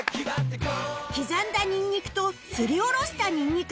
刻んだニンニクとすりおろしたニンニク